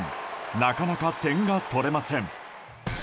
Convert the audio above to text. なかなか点が取れません。